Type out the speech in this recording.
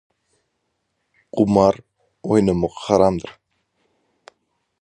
Gumar oýnamak haramdyr!